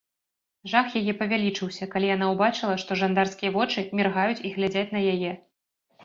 Жах яе павялічыўся, калі яна ўбачыла, што жандарскія вочы міргаюць і глядзяць на яе.